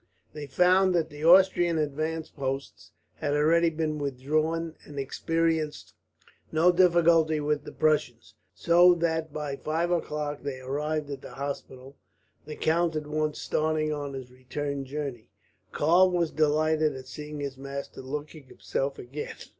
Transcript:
They found that the Austrian advanced posts had already been withdrawn, and experienced no difficulty with the Prussians; so that by five o'clock they arrived at the hospital, the count at once starting on his return journey. Karl was delighted at seeing his master looking himself again.